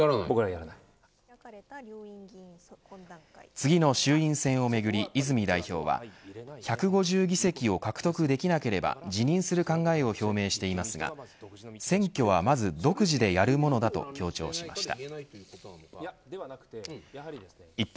次の衆院選をめぐり泉代表は１５０議席を獲得できなければ辞任する考えを表明していますが選挙はまず独自でやるものだと強調しました。